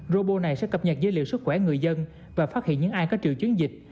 robot này sẽ cập nhật dữ liệu sức khỏe người dân và phát hiện những ai có triệu chứng dịch